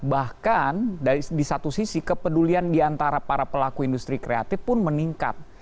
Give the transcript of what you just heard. bahkan di satu sisi kepedulian diantara para pelaku industri kreatif pun meningkat